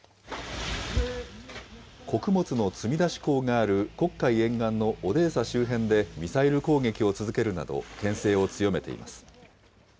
穀物の積み出し港がある黒海沿岸のオデーサ周辺でミサイル攻撃を続けるなど、けん制を強めています。